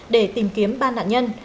để tìm kiếm ba nạn nhân